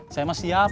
saya masih siap